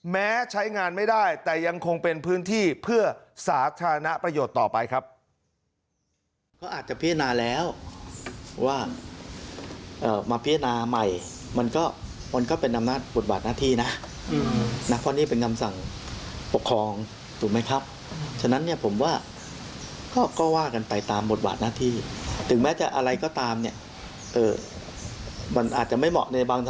แม้ใช้งานไม่ได้แต่ยังคงเป็นพื้นที่เพื่อสาธารณประโยชน์ต่อไปครับ